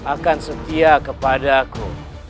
akan setia kepadaku